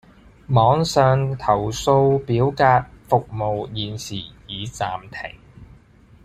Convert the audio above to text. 網上投訴表格服務現時已暫停